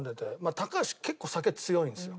高橋結構酒強いんですよ。